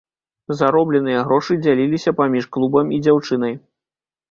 Заробленыя грошы дзяліліся паміж клубам і дзяўчынай.